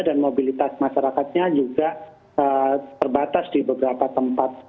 dan mobilitas masyarakatnya juga terbatas di beberapa tempat